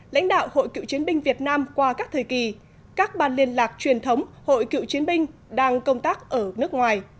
lãnh đạo hội cựu chiến binh việt nam qua các thời kỳ các ban liên lạc truyền thống hội cựu chiến binh đang công tác ở nước ngoài